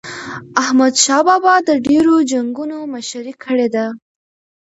احمد شاه بابا د ډیرو جنګونو مشري کړې ده.